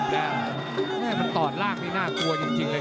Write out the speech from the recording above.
มันต่อรากดีน่ากลัวจริงเลย